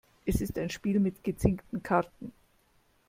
Es ist ein Spiel mit gezinkten Karten.